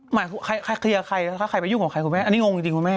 หมายถึงเคลียร์ใครถ้าใครไปยุ่งกับใครอันนี้งงจริงครับแม่